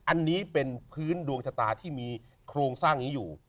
อันนี้เป็นพื้นดวงชะตาที่มีโครงสร้างนี้อยู่